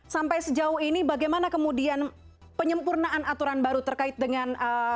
sampai sejauh ini bagaimana kemudian penyempurnaan aturan baru terkait dengan